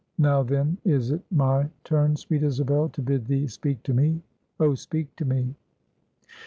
Now, then, is it my turn, sweet Isabel, to bid thee speak to me, oh speak to me!"